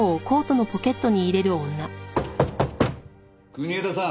国枝さん。